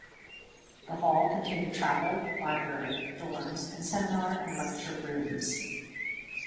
The Hall contained a chapel, library, dorms, and seminar and lecture rooms.